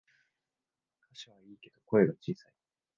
歌詞はいいけど声が小さい